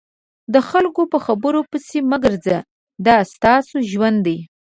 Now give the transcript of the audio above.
د خلکو په خبرو پسې مه ګرځه دا ستاسو ژوند دی.